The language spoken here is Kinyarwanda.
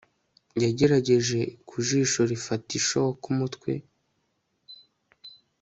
Yagerageje ku jisho rifata ishokaumutwe